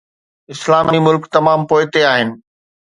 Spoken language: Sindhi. اسلامي ملڪ تمام پوئتي آهن.